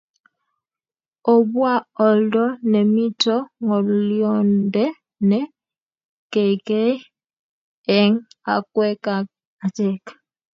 obwa oldo nemito ng'olionde ne keikei eng' akwek ak achek